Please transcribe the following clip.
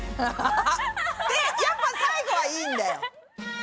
やっぱ最後はいいんだよ。